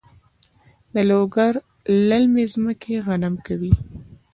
د لوګر للمي ځمکې غنم کوي؟